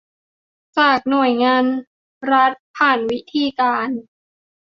จากหน่วยงานรัฐผ่านวิธีการ